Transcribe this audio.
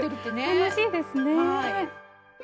楽しいですね。